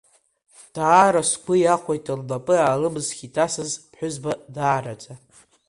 Даара сгәы иахәеит, лнапы аалымсхит асас ԥҳәызба, даараӡа…